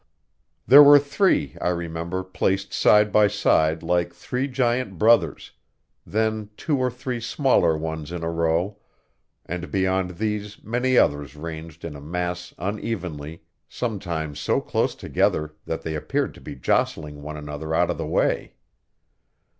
There were three, I remember, placed side by side like three giant brothers; then two or three smaller ones in a row, and beyond these many others ranged in a mass unevenly, sometimes so close together that they appeared to be jostling one another out of the way.